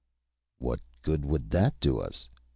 "What good would that do us?"